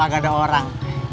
kagak ada orang